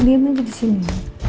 diam aja di sini